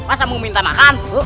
masa mau minta makan